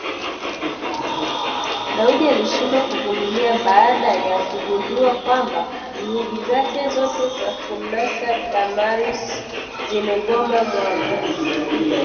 Daudi alishindwa kuvumilia baada ya kugundua kwamba juhudi zake zote za kumnasa Damaris zimegonga mwamba